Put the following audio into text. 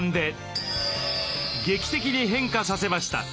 劇的に変化させました。